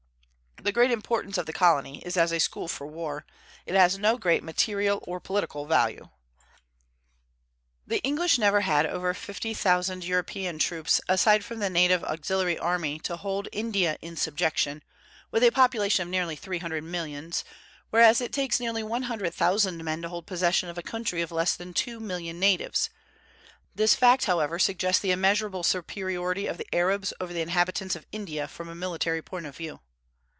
The great importance of the colony is as a school for war; it has no great material or political value. The English never had over fifty thousand European troops, aside from the native auxiliary army, to hold India in subjection, with a population of nearly three hundred millions, whereas it takes nearly one hundred thousand men to hold possession of a country of less than two million natives. This fact, however, suggests the immeasurable superiority of the Arabs over the inhabitants of India from a military point of view.